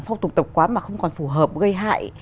phong tộc tộc quán mà không còn phù hợp gây hại